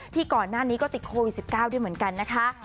ก่อนหน้านี้ก็ติดโควิด๑๙ด้วยเหมือนกันนะคะ